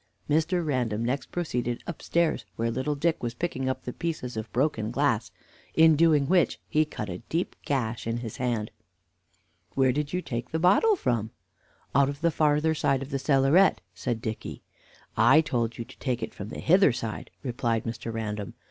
Mr. Random next proceeded upstairs, where little Dick was picking up the pieces of broken glass, in doing which he cut a deep gash in his hand. "Where did you take the bottle from?" "Out of the farther side of the cellaret," said Dicky. "I told you to take it from the hither side," replied Mr. Random.